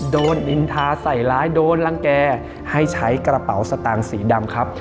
โดนอินทาใส่ร้ายโดนรังแก่ให้ใช้กระเป๋าสตางค์สีดำครับ